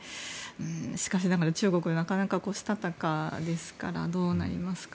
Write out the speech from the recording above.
しかしながら中国はなかなかしたたかですからどうなりますか。